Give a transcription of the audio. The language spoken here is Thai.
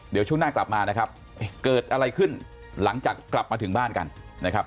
เดี๋ยวช่วงหน้ากลับมานะครับเกิดอะไรขึ้นหลังจากกลับมาถึงบ้านกันนะครับ